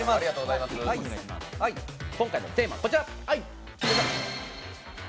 今回のテーマ、こちら。